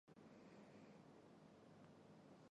长苞羊耳蒜为兰科羊耳蒜属下的一个种。